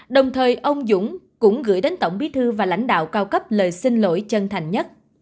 đồng thời ông dũng cũng gửi đến tổng bí thư và lãnh đạo cao cấp lời xin lỗi chân thành nhất